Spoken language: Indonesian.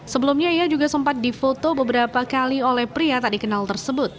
sebelumnya ia juga sempat difoto beberapa kali oleh pria tak dikenal tersebut